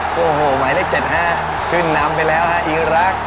โอ้โหหมายเลข๗๕ขึ้นนำไปแล้วฮะอีรัก